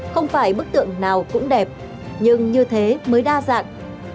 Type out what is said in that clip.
không phải bức tượng nào cũng đẹp nhưng như thế mới đa dạng